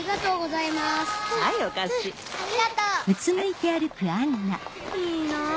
いいなぁ